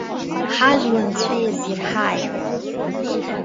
Ҳажәла анцәа иазирҳааит.